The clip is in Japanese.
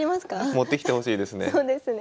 持ってきてほしいですね。